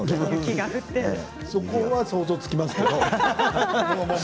そこは想像がつきますけど。